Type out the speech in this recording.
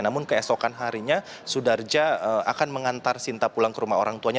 namun keesokan harinya sudarja akan mengantar sinta pulang ke rumah orang tuanya